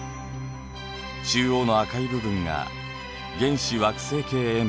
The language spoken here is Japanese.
中央の赤い部分が原始惑星系円盤。